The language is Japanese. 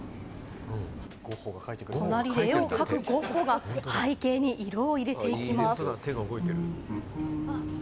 隣で絵を描くゴッホが背景に色を入れていきます。